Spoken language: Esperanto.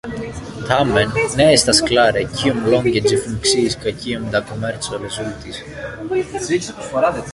Tamen ne estas klare, kiom longe ĝi funkciis kaj kiom da komerco rezultis.